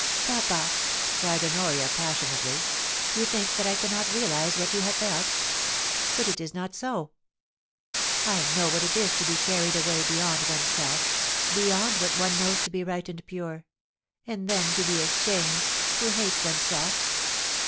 *Papa,' cried Honoria, passionately, *you think that I cannot realise what you have felt ; but it is not so. ... I know what it is to be carried away beyond oneself — beyond what one knows to be right and pure ; and then to be ashamed, to hate oneself.